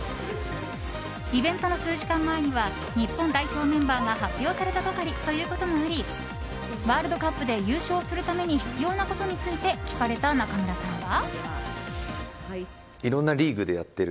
イベントの数時間前には日本代表メンバーが発表されたばかりということもありワールドカップで優勝するために必要なことについて聞かれた中村さんは。